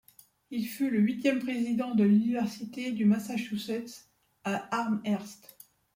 Il fut le huitième président de l'université du Massachusetts à Amherst.